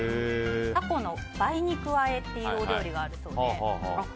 タコの梅肉あえっていうお料理があるそうで。